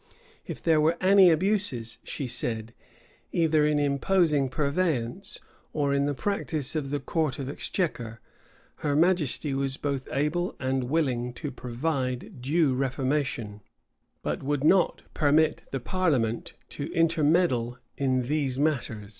If there were any abuses, she said, either in imposing purveyance, or in the practice of the court of exchequer, her majesty was both able and willing to provide due reformation; but would not permit the parliament to intermeddle in these matters.